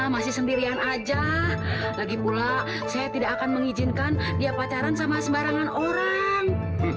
masih sendirian aja lagi pula saya tidak akan mengizinkan dia pacaran sama sembarangan orang